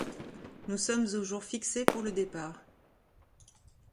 Nous sommes au jour fixé pour le départ...